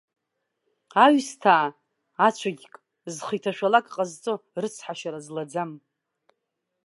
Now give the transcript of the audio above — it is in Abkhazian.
Аҩсҭаа, ацәыгьк, зхы иҭашәалак ҟазҵо, рыцҳашьара злаӡам.